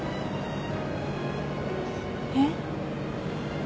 えっ。